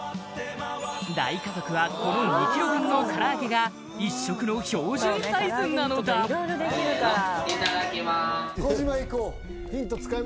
大家族はこの２ｋｇ分の唐揚げが１食の標準サイズなのだ児嶋い